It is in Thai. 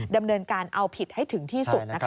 ดำเนินการเอาผิดให้ถึงที่สุดนะคะ